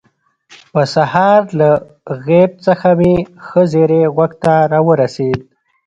په سهار له غیب څخه مې ښه زیری غوږ ته راورسېد.